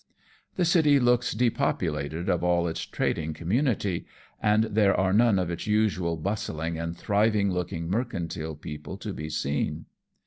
The city looks depopulated of all its trading com munity, and there are none of its usual bustling and thriving looking mercantile people to be seen.